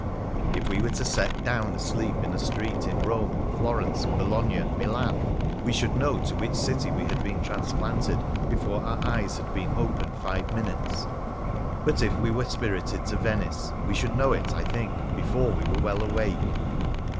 If we were set down asleep in a street in Rome, Florence, Bologna, Milan, we should know to which city we had been transplanted before our eyes had been opened five minutes ; but if we were spirited to Venice, we should know it, I think, before we were well awake.